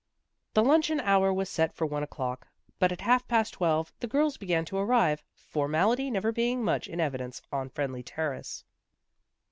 The luncheon hour was set for one o'clock, but at half past twelve, the girls began to arrive, formality never being much in evidence on Friendly Terrace.